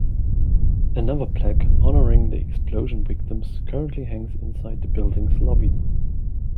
Another plaque honoring the explosion victims currently hangs inside the building's lobby.